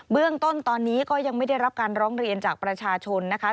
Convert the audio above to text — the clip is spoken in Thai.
เรื่องต้นตอนนี้ก็ยังไม่ได้รับการร้องเรียนจากประชาชนนะคะ